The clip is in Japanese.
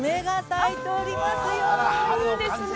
◆いいですね。